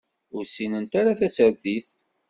Ur ssinent ara tasertit.